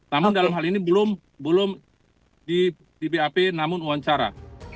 namun dalam hal ini belum di bap namun wawancara